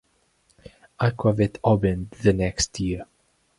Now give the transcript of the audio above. Aquavit opened the next year.